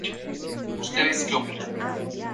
La ca